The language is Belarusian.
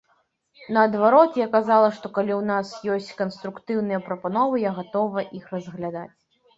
Наадварот, я казала, што калі ў вас ёсць канструктыўныя прапановы, я гатовая іх разглядаць.